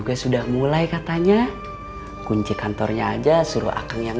ya udah dilanjut nyapunya